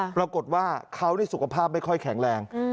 ปรากฏว่าเขาสุขภาพไม่ค่อยแข็งแรง